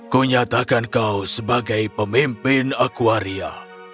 kuyatakan kau sebagai pemimpin aquaria